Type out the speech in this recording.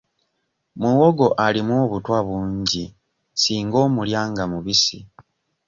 Muwogo alimu obutwa bungi singa omulya nga mubisi.